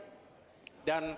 dan terbuka dengan berdiri